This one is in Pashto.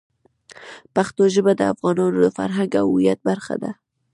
پښتو ژبه د افغانانو د فرهنګ او هویت برخه ده.